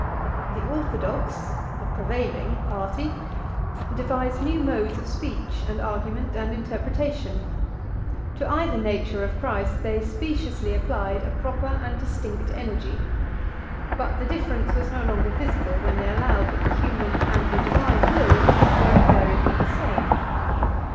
The orthodox (the prevailing) party devised new modes of speech, and argument, and interpretation: to either nature of Christ they speciously applied a proper and distinct energy; but the difference was no longer visible when they allowed that the human and the divine will were invariably the same.